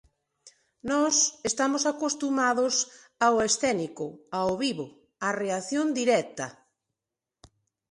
Nós estamos acostumados ao escénico, ao vivo, á reacción directa.